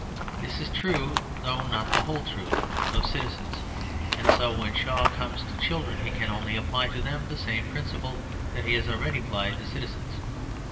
This is true, though not the whole truth, of citizens; and so when Shaw comes to children he can only apply to them the same principle that he has already applied to citizens.